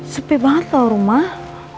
sipih banget loh rumah